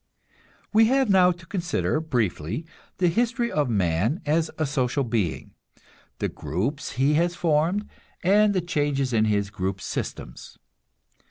We have now to consider, briefly, the history of man as a social being, the groups he has formed, and the changes in his group systems.